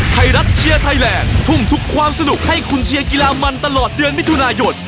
ไทยรัฐเชียร์ไทยแลนด์ทุ่มทุกความสนุกให้คุณเชียร์กีฬามันตลอดเดือนมิถุนายน